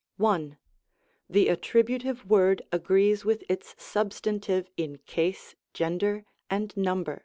1. The attributive word agrees with its substantive in case, gender, and number.